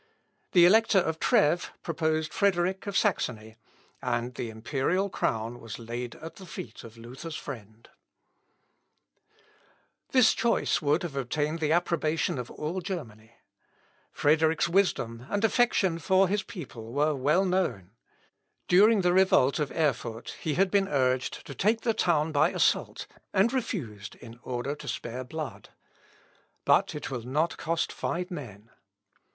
The elector of Trèves proposed Frederick of Saxony, and the imperial crown was laid at the feet of Luther's friend. [Sidenote: CHARLES V ELECTED EMPEROR.] This choice would have obtained the approbation of all Germany. Frederick's wisdom, and affection for his people, were well known. During the revolt of Erfurt, he had been urged to take the town by assault, and refused, in order to spare blood. "But it will not cost five men."